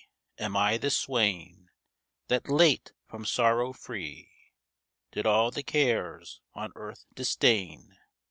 Am I the swain That late from sorrow free Did all the cares on earth disdain?